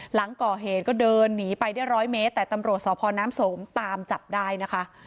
หลังก่อเหตุก็เดินหนีไปได้ร้อยเมตรแต่ตำรวจสพน้ำสมตามจับได้นะคะ